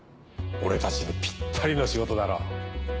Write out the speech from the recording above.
俺たちにピッタリの仕事だろ。